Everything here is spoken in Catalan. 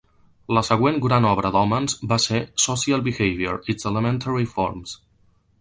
La següent gran obra d'Homans va ser "Social Behavior: Its Elementary Forms".